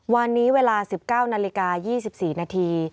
วันนี้เวลา๑๙นาฬิกา๒๔นาที